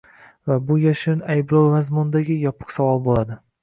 va bu yashirin ayblov mazmunidagi yopiq savol bo‘ladi